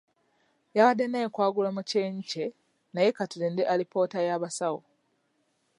Yabadde n'enkwagulo mu kyenyi kye naye ka tulinde alipoota y'abasawo.